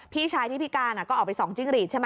พี่ชายที่พิการก็ออกไปส่องจิ้งหลีดใช่ไหม